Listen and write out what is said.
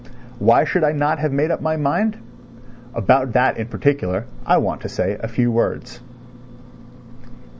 Why should I not have made up my mind? About that in particular I want to say a few words.